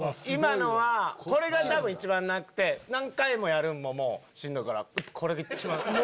今のはこれが多分一番なくて何回もやるんもしんどいからこれが一番。